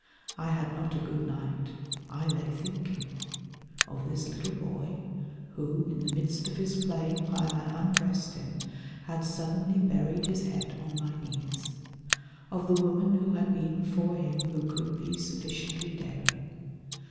I had not a good night. I lay thinking. Of this little boy, who, in the midst of his play while I undressed him, had suddenly buried his head on my knees. Of the woman who had been for him who could be sufficiently daring.